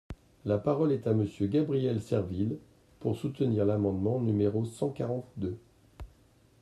La parole est à Monsieur Gabriel Serville, pour soutenir l’amendement numéro cent quarante-deux.